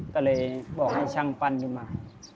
ก็เลยบอกให้ช่างปั้นขึ้นมา